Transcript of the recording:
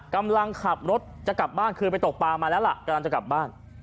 กำลังขับรถจะกลับบ้านคือไปตกปลามาแล้วล่ะกำลังจะกลับบ้าน